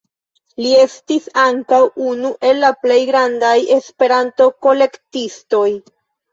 Li estis ankaŭ unu el la plej grandaj Esperanto-kolektistoj.